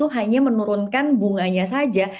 hanya menurunkan bunganya saja